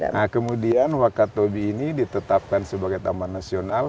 nah kemudian wakatobi ini ditetapkan sebagai taman nasional